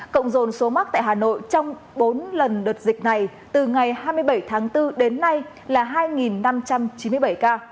cộng dồn số mắc tại hà nội trong bốn lần đợt dịch này từ ngày hai mươi bảy tháng bốn đến nay là hai năm trăm chín mươi bảy ca